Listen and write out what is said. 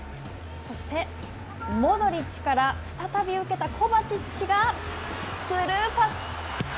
そしてモドリッチから、再び受けたコバチッチがスルーパス。